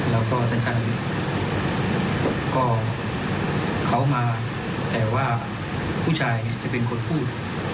แล้วก็สั้นก็เขามาแต่ว่าผู้ชายเนี่ยจะเป็นคนพูด